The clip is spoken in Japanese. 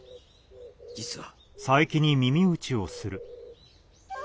実は。